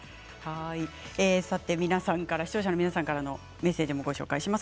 視聴者の皆さんからのメッセージご紹介します。